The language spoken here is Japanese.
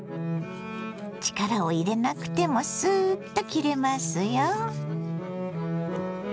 力を入れなくてもスーッと切れますよ。